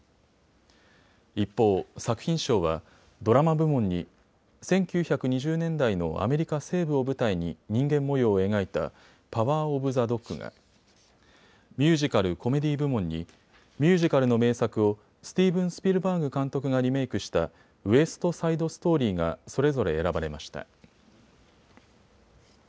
一方、作品賞はドラマ部門に１９２０年代のアメリカ西部を舞台に人間模様を描いたパワー・オブ・ザ・ドッグが、ミュージカル・コメディ部門にミュージカルの名作をスティーブン・スピルバーグ監督がリメークしたウエスト・サイド・ストーリーがそれぞれ選ばれました。